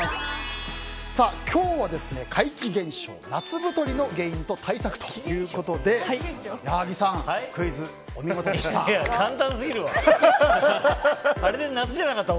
今日は怪奇現象、夏太りの原因と対策ということで矢作さん、クイズお見事でした。